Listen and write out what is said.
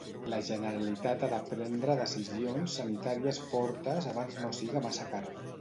La Generalitat ha de prendre decisions sanitàries fortes abans no siga massa car.